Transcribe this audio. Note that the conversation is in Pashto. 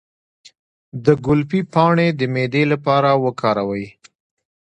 د ګلپي پاڼې د معدې لپاره وکاروئ